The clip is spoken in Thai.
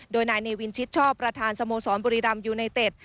โดยนายเนวินชิดชอบประธานสโมสรบุรีรำยูไนเต็ด